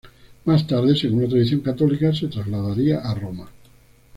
Más tarde, según la tradición católica, se trasladaría a Roma.